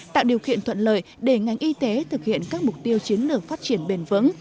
tạo điều kiện thuận lợi để ngành y tế thực hiện các mục tiêu chiến lược phát triển bền vững